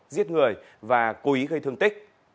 giết người và cố ý gây thương tích